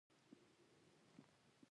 د نوم پښتو کول ژبه نه بډای کوي.